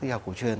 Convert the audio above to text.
giả cổ truyền